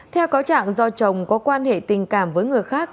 theo cáo trạng do chồng có quan hệ tình cảm với người khác